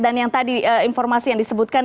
dan yang tadi informasi yang disebutkan